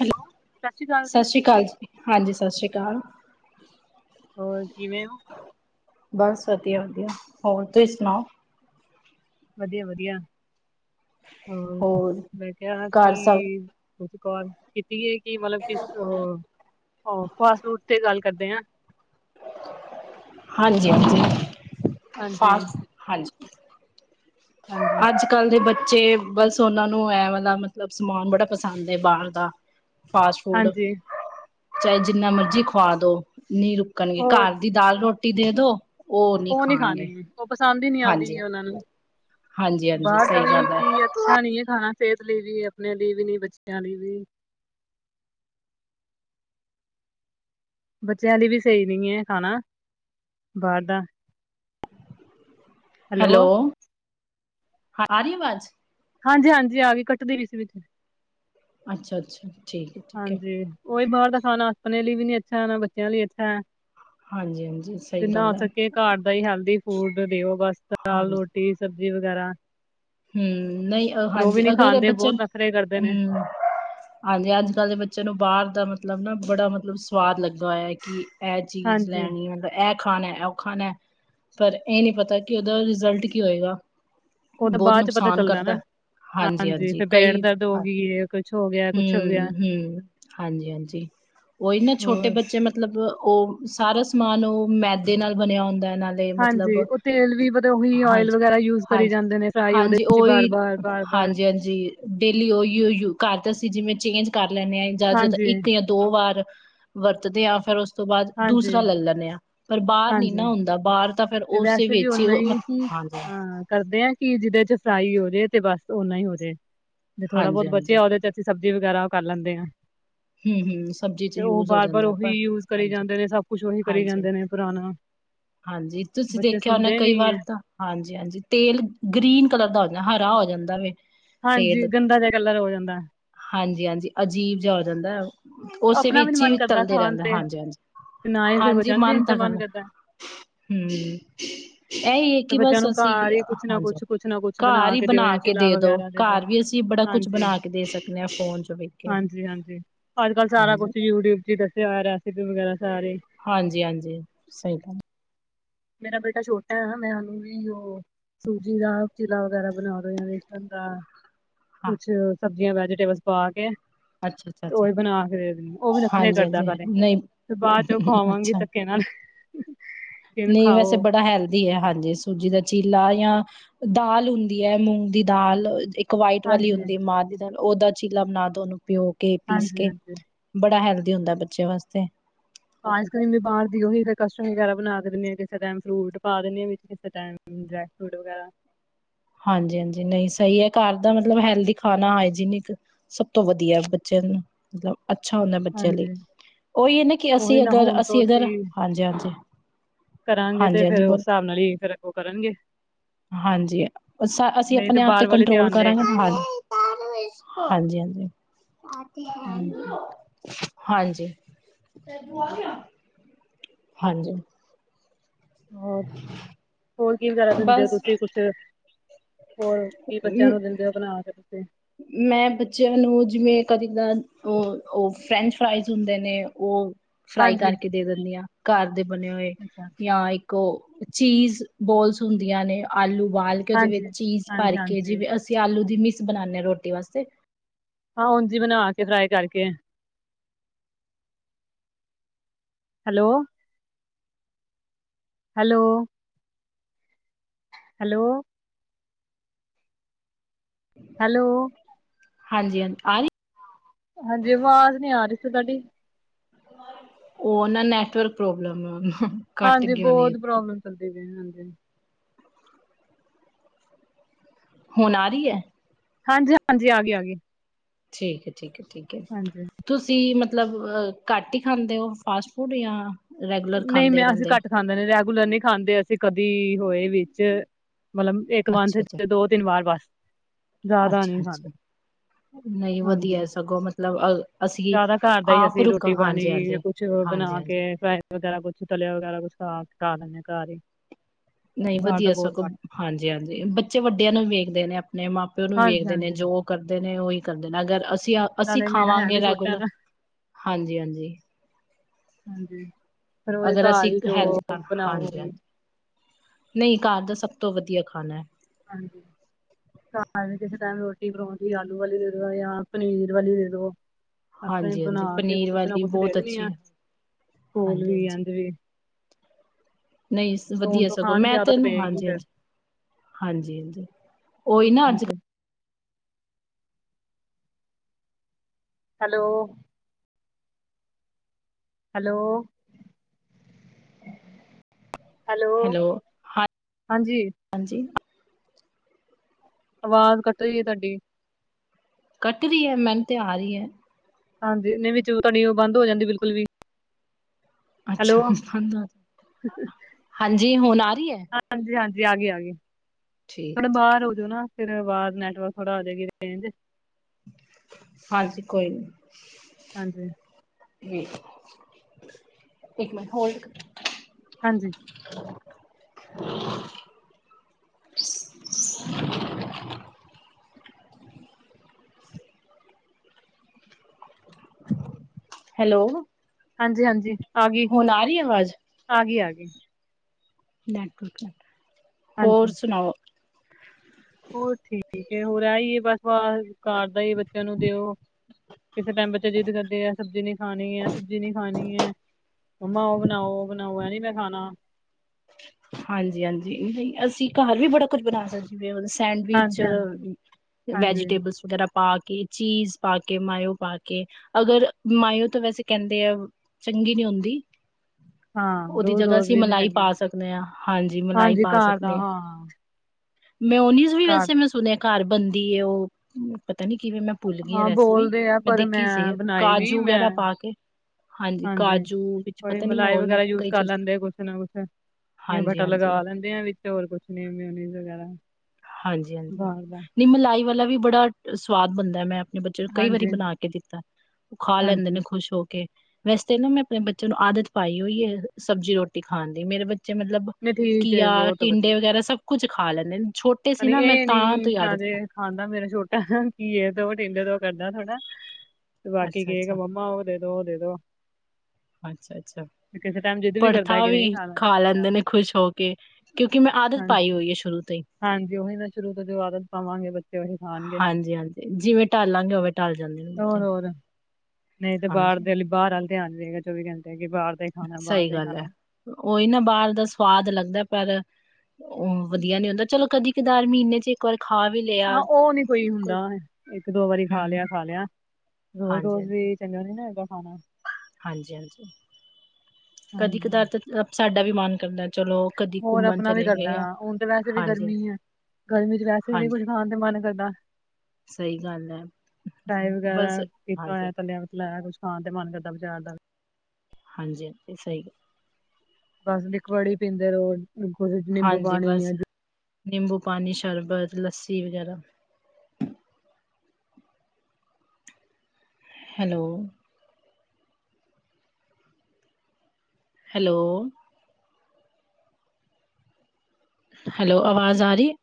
Hello, ਸਤਿ ਸ਼੍ਰੀ ਅਕਾਲ ਜੀ ਸਾਸ਼ੀ ਕਾਲ ਜੀ, ਹਾਂਜੀ ਸਾਸ਼ੀ ਕਾਲ। ਹੋਰ ਕਿਵੇਂ ਓ? ਬਸ ਵਧੀਆ ਵਧੀਆ ਹੋਰ ਤੁਸੀਂ ਸੁਣਾਓ? ਵਧੀਆ-ਵਧੀਆ, ਹੋਰ ਮੈਂ ਕਿਹਾ ਘਰ ਸਭ ਕਿ- ਤੁਸੀਂ ਕੌਲ ਕੀਤੀ ਏ ਕਿ ਮਤਲਬ ਕਿਸ, ਅ ਫਾਸਟ ਫੂਡ ਤੇ ਗੱਲ ਕਰਦੇ ਆ। ਹਾਂਜੀ-ਹਾਂਜੀ, ਹਾਂਜੀ ਫਾਸ ਹਾਂਜੀ- ਹਾਂਜੀ ਅੱਜ ਕੱਲ ਦੇ ਬੱਚੇ ਬਸ ਉਹਨਾਂ ਨੂੰ ਐ ਵਾਲਾ ਮਤਲਬ ਸਮਾਨ ਬੜਾ ਪਸੰਦ ਹੈ ਬਾਹਰ ਦਾ। ਫਾਸਟ ਫੂਡ, ਹਾਂਜੀ ਚਾਹੇ ਜਿੰਨਾ ਮਰਜੀ ਖਵਾ ਦੋ ਨਹੀਂ ਰੁਕਣਗੇ ਹੋਰ ਘਰ ਦੀ ਦਾਲ ਰੋਟੀ ਦੇ ਦੋ ਨਹੀਂ ਉਹ ਨੀ ਖਾਣੇ ਖਾਣਗੇ ਉਹ ਪਸੰਦ ਹੀ ਨਹੀਂੀ ਆਉਂਦੀ ਹਾਂਜੀ ਹੈ ਉਹਨਾਂ ਨੂੰ, ਹਾਂਜੀ ਹਾਂਜੀ ਬਾਹਰ ਸਹੀ ਦਾ ਵੀ ਗੱਲ ਹੈ ਕੀ ਆ ਅੱਛਾ ਨੀ ਖਾਣਾ ਸਿਹਤ ਲਈ ਵੀ ਆਪਣੇ ਲਈ ਵੀ ਨੀ ਬੱਚਿਆਂ ਲਈ ਵੀ। ਬੱਚਿਆਂ ਲਈ ਵੀ ਸਹੀ ਨਹੀਂ ਏ ਖਾਣਾ, ਬਾਹਰ ਦਾ। ਹੈਲੋ, ਹਾਂ ਆ ਰੀ ਏ ਵਾਜ਼? ਹਾਂਜੀ-ਹਾਂਜੀ ਆ ਗਈ ਕੱਟਦੀ ਪਈ ਸੀ ਵਿੱਚ। ਅੱਛਾ-ਅੱਛਾ। ਹਾਂਜੀ, ਉਹੀ ਬਾਹਰ ਦਾ ਖਾਣਾ ਆਪਣੇ ਲਈ ਵੀ ਨੀ ਅੱਛਾ ਨਾ ਬੱਚਿਆਂ ਲਈ ਅੱਛਾ। ਹਾਂਜੀ ਹਾਂਜੀ ਸਹੀ ਜਿੰਨਾ ਗੱਲ ਹੋ ਹੈ ਸਕੇ ਘਰ ਦਾ ਹੀ ਹੈਲਦੀ ਫੂਡ ਦਿਓ ਬਸ [unintelligible] ਹਾਂਜੀ ਰੋਟੀ, ਸਬਜ਼ੀ ਵਗੈਰਾ। ਹੂੰ ਨਹੀਂ ਅ ਪਰ ਉਹ ਵੀ ਹਾਂਜੀ ਨੀ ਅਗਰ ਖਾਂਦੇ ਬੱਚੇ ਬਹੁਤ ਨਖਰੇ ਕਰਦੇ ਨੇ ਹੂੰ ਹਾਂਜੀ ਅੱਜ ਕੱਲ੍ਹ ਦੇ ਬੱਚਿਆਂ ਨੂੰ ਬਾਹਰ ਦਾ ਮਤਲਬ ਨਾ ਬੜਾ ਮਤਲਬ ਸਵਾਦ ਲੱਗਾ ਹੋਇਆ ਕਿ- ਮੈਂ ਐ ਚੀਜ਼ ਹਾਂਜੀ ਲੈਣੀ ਆ [unintelligible] ਖਾਣ ਉਹ ਖਾਣਾ, ਪਰ ਇਹ ਨੀ ਪਤਾ ਕਿ ਉਹਦਾ ਰਿਜ਼ਲਟ ਕੀ ਹੋਏਗਾ। ਉਹ ਤਾਂ ਬਹੁਤ ਬਾਅਦ ਚ ਪਤਾ ਨੁਕਸਾਨ ਚੱਲਦਾ ਨਾ ਕਰਦਾ। ਹਾਂਜੀ ਹਾਂਜੀ-ਹਾਂਜੀ ਫਿਰ ਪੇਟ ਕਈ ਦਰਦ ਹੋ ਹਾਂਜੀ ਗਈ ਏ, ਕੁਛ ਹੋ ਗਿਆ ਕੁਛ ਹੋ ਗਿਆ ਹੂੰ ਹੂੰ ਹਾਂਜੀ-ਹਾਂਜੀ। ਉਹੀ ਨਾ ਛੋਟੇ ਹੋਰ ਬੱਚੇ ਮਤਲਬ ਉਹ ਸਾਰਾ ਸਮਾਨ ਉਹ ਮੈਦੇ ਨਾਲ ਬਣਿਆ ਹੁੰਦਾ ਇਹ ਨਾਲ- ਹਾਂਜੀ ਉਹ ਤੇਲ ਵੀ ਉਹੀ ਓਇਲ ਵਗੈਰਾ ਯੂਜ ਕਰੀ ਹਾਂਜੀ, ਜਾਂਦੇ ਨੇ ਤਾਂ ਹਾਂਜੀ ਉਹੀ, ਹਾਂਜੀ-ਹਾਂਜੀ। ਜੀ, ਡੇਲੀ ਉਹ ਯ ਕਰਦਾ ਅਸੀ ਜਿਵੇਂ ਚੇਂਜ ਕਰ ਲੈਂਨੇ ਆ ਜਾਦਾ ਜਾਦਾ ਹਾਂਜੀ ਇੱਕ ਜਾਂ ਦੋ ਵਾਰ, ਵਰਤਦੇ ਆ ਫਿਰ ਉਸ ਤੋਂ ਉਸ ਤੋਂ ਬਾਅਦ ਹਾਂਜੀ ਦੂਸਰਾ ਲੈ ਲੈਨੇ ਹਾਂ, ਪਰ ਬਾਹਰ ਨੀ ਹਾਂਜੀ ਨਾ ਹੁੰਦਾ ਬਾਹਰ ਤਾਂ ਫਿਰ ਤੇ ਉਸੇ ਵੈਸੇ ਵੀ ਵਿੱਚ ਈ ਓਨਾ ਉਹ ਹੀ ਹੀ [unintelligible] ਕਰਦੇ ਹਾਂ ਕਿ ਜਿਹਦੇ 'ਚ ਫਰਾਈ ਹੋਜੇ ਤੇ ਬਸ ਓਨਾ ਹੀ ਹੋਜੇ, ਜੇ ਥੋੜਾ ਹਾਂਜੀ, ਬਹੁਤ ਹਾਂਜੀ ਬਚਿਆ ਉਹਦੇ ਚ ਸਬਜ਼ੀ ਵਗੈਰਾ ਉਹ ਕਰ ਲੈਂਦੇ ਆ। ਹੂੰ, ਹੂੰ ਸਬਜ਼ੀ ਚ ਤੇ ਉਹ ਯੂਜ ਹੋ ਬਾਰ-ਬਾਰ ਜਾਂਦਾ ਹੈ ਉਹੀ ਪਰ ਯੂਜ ਕਰੀ ਹਾਂਜੀ, ਜਾਂਦੇ ਨੇ ਸਭ ਕੁਛ ਉਹੀ ਕਰੀ ਹਾਂਜੀ, ਜਾਂਦੇ ਨੇ ਪੁਰਾਨਾ। ਹਾਂਜੀ ਤੁਸੀਂ ਦੇਖਿਆ ਹੋਨਾ ਕਈ ਨੀ ਵਾਰ ਐ ਤਾਂ ਹਾਂਜੀ-ਹਾਂਜੀ ਤੇਲ ਗ੍ਰੀਨ ਕਲਰ ਦਾ ਹੋ ਜਾਂਦਾ ਹਰਾ ਹੋ ਜਾਂਦਾ ਵੇ। ਹਾਂਜੀ ਤੇਲ ਗੰਦਾ ਜਿਹਾ ਕਲਰ ਹੋ ਜਾਂਦਾ। ਹਾਂਜੀ-ਹਾਂਜੀ ਅਜੀਬ ਜਾ ਹੋ ਜਾਂਦਾ ਉਹ। ਉਸੇ ਆਪਣਾ ਵੀ ਨੀ ਵਿੱਚ ਹੀ ਮਨ ਕਰਦਾ ਤਲਦੇ ਖਾਣ ਰਹਿੰਦੇ ਤੇ ਹਾਂਜੀ-ਹਾਂਜੀ ਤੇ ਨਾ ਹੀ ਫਿਰ ਹਾਂਜੀ ਬੱਚਿਆਂ ਨੂੰ ਮਨ ਦੇਣ ਤੇ ਤਾਂ ਕਰ ਹੂੰ। ਕਰਦਾ ਐਹੀ ਹੈ ਤੇ ਕਿ ਬੱਚਿਆਂ ਬਸ ਨੂੰ ਅਸੀਂ, ਘਰ ਹੀ ਕੁਛ ਨਾ ਹਾਂਜੀ ਕੁਛ ਕੁਛ ਨਾ ਕੁਛ ਘਰ ਹੀ ਦਿਓ ਬਣਾ ਜਾਂ ਕੇ ਚਿਲਾ ਦੇ ਦੋ। ਵਗੈਰਾ ਦੇ ਘਰ ਵੀ ਅਸੀਂ ਬੜਾ ਕੁਛ ਬਣਾ ਕੇ ਦੇ ਸਕਦੇ। ਹਾਂ ਫੋਨ ਚੋਂ ਵੇਖ ਕੇ। ਹਾਂਜੀ, ਹਾਂਜੀ ਅੱਜ ਕੱਲ੍ਹ ਸਾਰਾ ਹਾਂਜੀ, ਕੁਛ ਹੀ। ਯੂਟਿਊਬ 'ਚ ਦੱਸਿਆ ਆ ਰਿਆ ਰੈਸਪੀ ਵਗੈਰਾ ਸਾਰੀ। ਹਾਂਜੀ, ਹਾਂਜੀ ਸਹੀ ਗੱਲ ਮੇਰਾ ਬੇਟਾ ਛੋਟਾ ਹੈ, ਮੈਂ ਉਹਨੂੰ ਉਹ ਸੂਜੀ ਦਾ ਚੀਲਾ ਵਗੈਰਾ, ਬਣਾ ਦੋ ਜਾਂ ਰੇਸਨ ਦਾ। ਹਾਂ ਕੁਛ ਸਬਜ਼ੀਆਂ, ਵੈਜੀਟੇਬਲਸ ਪਾ ਕੇ। ਤੇ ਅੱਛਾ-ਅੱਛਾ-ਅੱਛਾ ਉਹੀ ਬਣਾ ਕੇ ਦੇਂਦੇ ਉਹ ਵੀ ਨਖਰੇ ਕਰਦਾ, ਹਾਂਜੀ-ਹਾਂਜੀ ਪਹਿਲੇ। ਨਹੀਂ ਤੇ ਬਾਅਦ ਚੋਂ ਖਵਾਂਗੀ ਅੱਛਾ। ਧੱਕੇ ਨਾਲ। ਕਿ ਇਹਨੂੰ ਨਹੀਂ ਵੈਸੇ ਖਾਓ। ਬੜਾ ਹੈਲਦੀ ਹੁੰਦੀ ਹੈ ਹਾਂਜੀ, ਸੂਜੀ ਦਾ ਚੀਲਾ ਜਾਂ ਦਾਲ ਹੁੰਦੀ ਹੈ ਮੂੰਗ ਦੀ ਦਾਲ ਇਕ ਇਕ ਵਾਇਟ ਵਾਲੀ ਹਾਂਜੀ, ਹੁੰਦੀ ਮਾਂ ਦੀ ਦਾਲ ਓਹਦਾ ਚੀਲਾ ਬਣਾ ਦੋ ਉਹਨੂੰ ਪਿਓ ਕੇ ਪੀਸ ਹਾਂਜੀ, ਕੇ। ਹਾਂਜੀ। ਬੜਾ ਹੈਲਦੀ ਹੁੰਦਾ ਬੱਚਿਆਂ ਵਾਸਤੇ। ਆਈਸਕ੍ਰੀਮ ਵੀ ਬਾਹਰ ਦੀ ਉਹੀ ਕਸਟਡ ਵਗੈਰਾ ਬਣਾ ਦੇਨੀ ਆ ਕਿਸੇ ਟਾਈਮ ਫਰੂਟ ਪਾ ਦੇਨੀ ਆ ਵਿਚ ਕਿਸੇ ਟਾਈਮ ਡਰੈਗ ਫਰੂਟ ਵਗੈਰਾ। ਹਾਂਜੀ ਹਾਂਜੀ ਨਹੀਂ ਸਹੀ ਹੈ ਘਰ ਦਾ ਮਤਲਬ ਹੈਲਦੀ ਖਾਣਾ ਹਾਈਜੈਨਕ ਸਭ ਤੋਂ ਵਧੀਆ ਬੱਚਿਆਂ ਨੂੰ ਮਤਲਬ ਅੱਛਾ ਹੁੰਦਾ ਬੱਚਿਆਂ ਲਈ ਹਾਂਜੀ। ਉਹੀ ਨਾ ਕਿ ਉਹੀ ਅਸੀਂ ਨਾ ਅਗਰ, ਹੋਣ ਤੋਂ ਅਸੀਂ ਅਗਰ ਹਾਂਜੀ, ਹਾਂਜੀ। ਕਰਾਂਗੇ ਹਾਂਜੀ ਤੇ ਹਾਂਜੀ ਫੇਰ ਉਸ ਬੋਲ ਹਿਸਾਬ ਨਾਲ ਹੀ ਫਿਰ ਉਹ ਕਰਨਗੇ। ਅਸ ਅਸੀਂ ਨਹੀਂ ਆਪਣੇ ਆਪ ਤੇ ਬਾਹਰ ਵਾਲੇ ਕੰਟਰੋਲ ਧਿਆਨ ਕਰਾਂਗੇ ਰਹੇਗਾ। ਹਾਂ ਹਾਂਜੀ, ਹਾਂਜੀ। ਹਾਂਜੀ। ਹਾਂਜੀ। ਹਾਂਜੀ ਹੋਰ, ਹੋਰ ਕਿ ਵਗੈਰਾ ਦਿੰਦੇ ਬਸ ਤੁਸੀਂ ਕੁਛ ਹੋਰ ਕੀ ਬੱਚਿਆਂ ਨੂੰ ਦਿੰਦੇਂ ਬਣਾ ਕੇ ਤੁਸੀਂ? ਮੈਂ ਬੱਚਿਆਂ ਨੂੰ ਜਿਵੇਂ ਕਦੀ ਕ ਉਹ ਉਹ ਫਰੈਂਚ ਫਰਾਈਜ਼ ਹੁੰਦੇ ਨੇ ਉਹ ਫਰਾਈ ਹਾਂਜੀ, ਕਰਕੇ ਦੇ ਦਿੰਦੀ ਆ, ਘਰ ਦੇ ਬਣੇ ਹੋਏ ਅੱਛਾ ਜਾਂ ਇੱਕ ਕੋ ਚੀਜ਼ ਬੋਲਸ ਹੁੰਦੀਆਂ ਨੇ, ਆਲੂ ਉਬਾਲ ਕੇ ਉਹਦੇ ਵਿੱਚ ਹਾਂਜੀ, ਚੀਜ਼ ਹਾਂਜੀ, ਭਰ ਕੇ ਹਾਂਜੀ। ਜਿਵੇਂ ਅਸ ਅਸੀਂ ਆਲੂ ਦੀ ਮਿਸ ਬਣਾਨੇ ਆ ਰੋਟੀ ਵਾਸਤੇ। ਹਾਂ, ਉਂਜੀ ਬਣਾ ਕੇ ਟਰਾਈ ਕਰਕੇ। Hello hello hello hello. ਹਾਂਜੀ ਹਾਂਜੀ ਆਈ ਹਜੇ ਆਵਾਜ਼ ਨੀ ਆ ਰਹੀ ਸੀ ਤੁਹਾਡੀ। ਉਹ ਨਾ ਨੈਟਵਰਕ ਪ੍ਰੋਬਲਮ। ਘੱਟ ਹਾਂਜੀ, ਗਈ ਹੋਣੀ ਬਹੁਤ ਪ੍ਰੋਬਲਮ ਚੱਲਦੀ ਪਈ ਹਾਂਜੀ ਹਾਂਜੀ ਹੁਣ ਆ ਰਈ ਐ? ਹਾਂਜੀ ਹਾਂਜੀ ਆ ਗਈ ਆ ਗਈ। ਠੀਕ ਹੈ ਠੀਕ ਹੈ ਠੀਕ ਹੈ। ਹਾਂਜੀ ਤੁਸੀਂ ਮਤਲਬ ਘੱਟ ਹੀ ਖਾਂਦੇ ਹੋ ਫਾਸਟ ਫੂਡ ਜਾਂ ਰੈਗੂਲਰ ਨਈ, ਖਾਂਦੇ ਮੈਂ ਅਸੀਂ ਰਹਿੰਦੇ ਹੋ? ਘੱਟ ਖਾਂਦੇ ਨੇ, ਰੈਗੂਲਰ ਨੀ ਖਾਂਦੇ ਅਸੀਂ ਕਦੀ ਹੋਏ ਵਿੱਚ ਮਤਲਬ ਇ ਇਕ ਮੰਥ ਅੱਛਾ, ਅੱਛਾ, 'ਚ ਦੋ ਤਿੰਨ ਵਾਰ ਬੱਸ। ਅੱਛਾ ਅੱਛਾ, ਨਹੀ ਹਾਂਜੀ ਵਧੀਆ ਸਗੋਂ ਮਤਲਬ ਅ ਅਸੀਂ ਜ਼ਿਆਦਾ ਘਰ ਦਾ ਹੀ ਆਪ ਅਸੀਂ ਰੁਕ ਰੋਟੀ ਪਾਣੀ, ਹਾਂਜੀ, ਹਾਂਜੀ, ਜਾਂ ਕੁਛ ਹਾਂਜੀ, ਬਣਾ ਕੇ ਹਾਂਜੀ ਫ ਰਾਏ ਵਗੈਰਾ ਕੁਛ ਤਲਿਆ ਵਗੈਰਾ, ਕੁੱਛ ਖਾ-ਖਾ ਲੈਂਦੇੇ ਘਰ ਐ। ਨਈ ਵਧੀਆ ਸਗੋਂ, ਹਾਂਜੀ ਹਾਂਜੀ, ਬੱਚੇ ਵੱਡਿਆਂ ਨੂੰ ਵੀ ਵੇਖਦੇ ਨੇ, ਆਪਣੇ ਮਾਂ ਪਿਓ ਨੂੰ ਵੀ ਹਾਂਜੀ ਵੇਖਦੇ ਨੇ, ਹਾਂਜੀ ਜੋ ਕਰਦੇ ਨੇ ਉਹੀ ਕਰਦੇ ਨੇ ਅਗਰ ਅਸੀਂ, ਅਸੀਂ ਨਾਲੇ ਮੇਰਾ ਹੈ ਖਾਵਾਂਗੇ ਵੀ ਛੋਟਾ ਰੈਗੂਲਰ, ਨਾ ਹਾਂਜੀ ਹਾਂਜੀ। ਹਾਂਜੀ, ਫਿਰ ਉਹ ਅਗਰ ਘਰ ਅਸੀਂ ਹੀ ਜੋ ਹੈਲਦੀ ਬਣਾਓਗੇ ਉਹ ਹੀ ਨਈ, ਘਰ ਦਾ ਸਭ ਤੋਂ ਵਧੀਆ ਖਾਣਾ ਐ। ਹਾਂਜੀ। ਘਰ ਕਿਸੇ ਟਾਈਮ ਰੋਟੀ, ਪਰੌਂਠੀ ਦੀ ਆਲੂ ਵਾਲੀ ਦੇ ਦੋ ਜਾਂ ਪਨੀਰ ਵਾਲੀ ਦੇ ਦੋ। ਅਸੀ ਬਣਾ ਹਾਂਜੀ-ਹਾਂਜੀ ਕੇ ਪਨੀਰ ਕੁਛ ਨਾ ਵਾਲੀ ਕੁਛ ਦੇ ਬਹੁਤ ਦੇਣੀ ਆ, ਅੱਛੀ ਹੈ ਸਕੂਲ ਵੀ ਆਜ ਵੀ ਨਈ ਤੇ ਹੁਣ ਵਧੀਆ ਤੋਂ ਸਗੋਂ, ਖਾਣ ਕੀ ਮੈਂ ਤੇ ਆਦਤ ਇਹਨੂੰ, ਪਏਗੀ ਹਾਂਜੀ ਫਿਰ ਹਾਂਜੀ। ਹਾਂਜੀ ਹਾਂਜੀ, ਉਹੀ ਨਾ ਅੱਜ ਹਾਂਜੀ ਕੱ ਹੈਲੋ। ਹੈਲੋ? ਹੈਲੋ, ਹਾਂ ਹਾਂਜੀ ਹਾਂਜੀ। ਆਵਾਜ਼ ਕੱਟ ਰਹੀ ਐ, ਤੁਹਾਡੀ। ਕੱਟ ਰਹੀ ਐ, ਮੈਨੂੰ ਤੇ ਆ ਰਹੀ ਐ। ਹਾਂਜੀ, ਨਈ ਵਿਚ ਤੁਹਾਡੀ ਉਹ ਬੰਦ ਹੋ ਜਾਂਦੀ ਬਿਲਕੁਲ ਵੀ। ਅੱਛਾ ਹੈਲੋ ਬੰਦ ਹੋ, ਹਾਂਜੀ ਹੁਣ ਆ ਰਹੀ ਐ? ਹਾਂਜੀ ਹਾਂਜੀ, ਆ ਗੀ ਆ ਗੀ, ਠੀਕ ਥੋੜਾ ਹੈ ਠੀਕ ਬਾਹਰ ਹੋ ਹੈ ਜਾਓ ਨਾ। ਫੇਰ ਆਵਾਜ਼ ਨੈਟਵਰਕ ਥੋੜਾ, ਆ ਜਾਵੇਗੀ ਰੇਂਜ। ਹਾਂਜੀ, ਕੋਈ ਨੀ। ਹਾਂਜੀ। ਜੀ, ਇੱਕ ਮਿੰਟ ਹੋਲਡ ਕਰੌ ਹਾਂਜੀ। ਹੈਲੋ। ਹਾਂਜੀ, ਹਾਂਜੀ। ਆ ਗਈ ਹੁਣ ਆ ਰਹੀ ਐ ਵਾਜ਼? ਆ ਗੀ, ਆ ਗੀ। ਹੋਰ ਹਾਂਜੀ ਸੁਣਾਓ? ਹੋਰ ਠੀਕ, ਹੋਰ ਹੈ ਏ ਬਸ ਵ ਘਾਰ ਦਾ ਬੱਚਿਆਂ ਨੂੰ ਦਿਓ। ਕਿਸੇ ਟਾਈਮ ਬੱਚੇ ਜਿੱਦ ਕਰਦੇ, ਐ ਸਬਜ਼ੀ ਨੀ ਖਾਣੀ ਹੈ, ਸਬਜ਼ੀ ਨੀ ਖਾਣੀ ਹੈ। ਮੰਮਾ ਉਹ ਬਣਾਓ, ਉਹ ਬਣਾਓ, ਐਨੀ ਮੈਂ ਖਾਣਾ। ਹਾਂਜੀ ਹਾਂਜੀ, ਨਹੀਂ ਅਸੀਂ ਘਰ ਵੀ ਬੜਾ ਕੁੱਝ ਬਣਾ ਸਕਦੇ ਜਿਵੇਂ ਉਹ ਸੈਂਡਵਿਚ, ਹਾਂਜੀ ਹਾਂਜੀ ਹਾਂਜੀ ਵੈਜੀਟੇਬਲ ਵਗੈਰਾ ਪਾ ਕੇ, ਚੀਜ਼ ਪਾ ਕੇ, ਮਾਇਓ ਪਾ ਕੇ ਅਗਰ ਮਾਇਓ ਤਾਂ ਵੈਸੇ ਕਹਿੰਦੇ ਆ, ਚੰਗੀ ਨਹੀਂ ਹੁੰਦੀ ਹਾਂ ਉਹਦੀ ਰੋਜ਼ ਜਗ੍ਹਾ ਰੋਜ਼ ਅਸੀਂ ਵੀ ਨਹੀਂ ਮਲਾਈ ਚੰਗੀ ਪਾ ਸਕਦੇ ਹਾਂ, ਹਾਂਜੀ ਮਲਾਈ ਪਾ ਸਕਦੇ ਹਾਂ। ਮੈਂਉਛਹਨੀਜ਼ ਵੀ ਘਰ ਵੈਸੇ ਮੈਂ ਸੁਣਿਆ ਘਰ ਬਣਦੀ ਹੈ ਉਹ, ਪਤਾ ਨੀ ਕਿਵੇਂ ਮੈਂ ਭੁੱਲ ਗਈ ਹਾਂ ਰੈਸਿਪੀ ਬੋਲਦੇ ਆ ਮੈਂ ਪਰ ਦੇਖੀ ਸੀ, ਬਣਾਈ ਨੀ ਕਾਜੂ ਮੈਂ ਵਗੈਰਾ ਪਾ ਕੇ ਹਾਂਜੀ, ਕਾਜੂ ਵਿੱਚ ਕੋਈ ਪਤਾ ਨੀ ਮਲਾਈ ਹੋਰ ਵੀ ਵਗੈਰਾ ਯੂਜ ਕਈ ਕਰ ਚੀਜ਼ ਲੈਂਦੇ ਆ, ਕੁਛ ਨਾ ਕੁਛ ਜਾਂ ਹਾਂਜੀ ਬਟਾ ਹਾਂਜੀ ਲਗਾ ਲੈਂਦੇ ਆ ਵਿੱਚ, ਹੋਰ ਕੁਛ ਨੀ ਮਉਨਿਸ ਵਗੈਰਾ ਹਾਂਜੀ ਹਾਂਜੀ, ਬਾਹਰ ਦਾ ਨੀ ਮਲਾਈ ਵਾਲਾ ਵੀ ਬੜਾ ਸਵਾਦ ਬਣਦਾ ਮੈਂ ਬੱਚੇ ਨੂੰ ਕਈ ਵਾਰੀ ਹਾਂਜੀ ਬਣਾ ਕੇ ਦਿੱਤਾ, ਉਹ ਖਾ ਹਾਂਜੀ ਲੈਂਦੇ ਨੇ ਖੁਸ਼ ਹੋ ਕੇ ਵੈਸੇ ਨਾ ਮੈਂ ਆਪਣੇ ਬੱਚੇ ਨੂੰ ਆਦਤ ਪਾਈ ਹੋਈ ਹੈ ਸਬਜ਼ੀ ਰੋਟੀ ਖਾਣ ਦੀ, ਮੇਰੇ ਬੱਚੇ ਮਤਲਬ ਨਹੀਂ ਠੀਕ ਹੈ ਘੀਆ, ਬਹੁਤ ਟਿੰਡੇ ਵਧੀਆ ਵਗੈਰਾ ਸਭ ਕੁੱਝ ਖਾ ਲੈਂਦੇ, ਛੋਟੇ ਸੀ ਨਾ ਮੈਂ ਤਾਂ ਤੋਂ ਆਦਤ ਖਾਦਾਂ ਮੇਰਾ ਛੋਟਾ ਘੀਏ ਤੋ, ਟਿੰਡੇ ਤੋਂ ਕਰਦਾ ਥੋੜਾ ਤੇ ਪਾਈ ਬਾਕੀ ਅੱਛਾ ਕਏਗਾ ਅੱਛਾ ਮੰਮਾ ਔ ਦੇ ਦੋ-ਔ ਦੇ, ਦੋ। ਅੱਛਾ-ਅੱਛਾ ਤੇ ਕਿਸੇ ਟਾਈਮ ਜਿੱਦ ਕਰਦਾ ਪੜਥਾ ਕਿ ਵੀ ਨਹੀਂ ਖਾਣਾ ਨਹੀਂ ਖਾ ਖਾਣਾ ਲੈਂਦੇ ਨੇ ਖ਼ੁਸ਼ ਹੋ ਕੇ। ਕਿਉਂਕਿ, ਮੈਂ ਆਦਤ ਪਾਈ ਹਾਂਜੀ ਹੋਈ ਏ ਸ਼ੁਰੂ ਤੋਂ ਈ। ਹਾਂਜੀ, ਔਹੀ ਤਾਂ ਸ਼ੁਰੂ ਤੋਂ ਜੋ ਆਦਤ ਪਾਵਾਂਗੇ ਬੱ ਹਾਂਜੀ-ਹਾਂਜੀ, ਜਿਵੇਂ ਢਾਲਾਂਗੇ ਉਵੇਂ ਢਲ ਜਾਂਦੇ ਨੇ ਹੋਰ ਬੱਚੇ। ਹੋਰ ਨਹੀਂ ਤੇ ਬਾਰ ਹਾਂਜੀ ਦੇ ਅਲੀ ਬਾਰ ਅਲ ਧਿਆਨ ਦੇਏਗਾ ਚੌਵੀ ਘੰਟੇ ਕਿ ਬਾਰ ਸਹੀ ਗੱਲ ਐ। ਔਈ ਨਾ ਬਾਰ ਦਾ ਸਵਾਦ ਲੱਗਦਾ ਪਰ ਉ ਵਧੀਆ ਨੀ ਹੁੰਦਾ ਚਲੋ ਕਦੀ-ਕਦਾਰ ਮਿਨੇ 'ਚ ਏ ਕੀ ਵਾਰ ਖਾ ਵੀ ਲੈ ਹਾਂ ਔ ਨੀ ਕੋਈ ਹੁੰਦਾ ਇੱਕ-ਦੋ ਵਾਰੀ ਖਾ ਹਮ ਲਆ-ਖਾ ਲਆ। ਹਾਂਜੀ ਰੋਜ਼-ਰੋਜ਼ ਵੀ ਚੰਗਾ ਨੀ ਨਾ ਹੈਗਾ ਖਾਨਾ। ਹਾਂਜੀ-ਹਾਂਜੀ, ਕਦੀ ਹਾਂਜੀ ਕਦਾਰ ਤੇ ਸਾਡਾ ਵੀ ਮਨ ਕਰਦਾ। ਚਲੋ ਕਦੀ ਹੋਰ ਘੁੰਮਣ ਅਪਨਾ ਵੀ ਚਲੇ ਕਰਦਾ। ਗਏ ਆ ਹਾਂ, ਹੁਨ ਤਾਂ ਵੈਸੇ ਵੀ ਹਾਂਜੀ ਗਰਮੀ ਏ। ਗਰਮੀ 'ਚ ਵੈਸੇ ਵੀ ਨੀ ਹਾਂਜੀ ਕੁੱਝ ਖਾਨ ਤੇ ਮਨ ਕਰਦਾ। ਸਹੀ ਗੱਲ ਹੈ ਚਾਏ ਬਸ ਵਗੈਰਾ ਕੀਤਾ ਹਾਂਜੀ ਹੋਆ ਤਲਿਆ-ਤਲਾਯਾ ਕੁਛ ਖਾਨ ਤੇ ਮਨ ਕਰਦਾ ਬਜਾਰ ਦਾ। ਹਾਂਜੀ, ਏ ਸਈ ਗੱ ਬਸ ਲਿਕਵੱਡ ਈ ਪੀਂਦੇ ਰੋ। ਹਾਂਜੀ, ਬਸ ਨਿੰਬੂ ਪਾਣੀ, ਸ਼ਰਬਤ, ਲੱਸੀ ਵਗੈਰਾ। ਹੈਲੋ। ਹੈਲੋ। ਹੈਲੋ ਆਵਾਜ਼ ਆ ਰੀ ਏ।